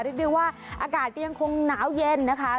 เรียกได้ว่าอากาศก็ยังคงหนาวเย็นนะคะ